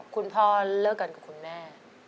คุณพ่อเลิกกันคุณแม่